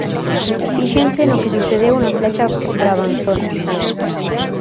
Fíxense no que sucedeu na Flecha Brabanzona.